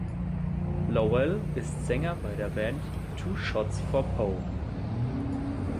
Lowell ist Sänger bei der Band "Two Shots for Poe".